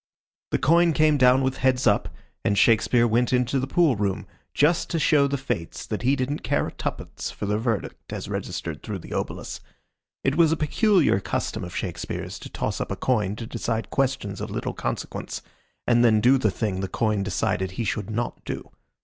The coin came down with heads up, and Shakespeare went into the pool room, just to show the Fates that he didn't care a tuppence for their verdict as registered through the obolus. It was a peculiar custom of Shakespeare's to toss up a coin to decide questions of little consequence, and then do the thing the coin decided he should not do.